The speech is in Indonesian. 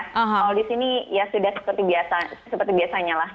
kalau di sini ya sudah seperti biasanya lah